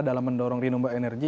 dalam mendorong renumba energi